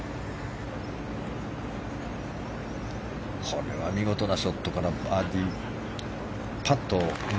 これは見事なショットとなったバーディーパット。